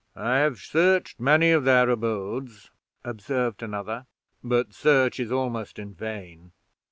"I have searched many of their abodes," observed another, "but search is almost in vain.